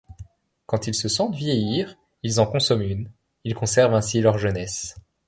Quand ils se sentent vieillir ils en consomment une, ils conservent ainsi leur jeunesse.